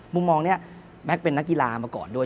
มุมมองนี้แม็กซ์เป็นนักกีฬามาก่อนด้วย